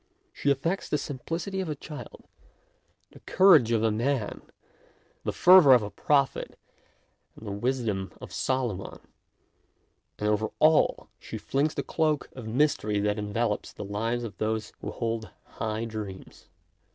She affects the sim plicity of a child, the courage of a man, the fervour of a prophet, and the wisdom of Solomon, and over all she flings the cloak 9 130 MONOLOGUES of mystery that envelops the lives of those who hold high dreams.